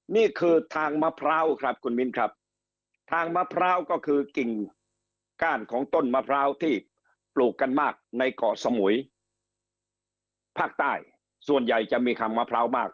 นี่คือทางมะพร้าวครับคุณมินครับทางมะพร้าวก็คือกิ่งก้านของต้นมะพร้าวที่ปลูกกันมากในเกาะสมุยภาคใต้ส่วนใหญ่จะมีคำมะพร้าวมาก